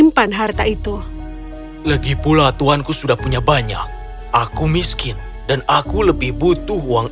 menyimpan harta itu lagi pula tuhanku sudah punya banyak aku miskin dan aku lebih butuh uang